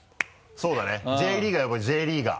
そうだねＪリーガー呼ぼうＪリーガー。